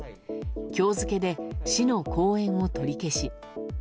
今日付で、市の後援を取り消し。